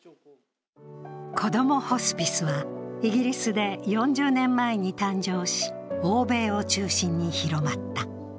こどもホスピスはイギリスで４０年前に誕生し、欧米を中心に広まった。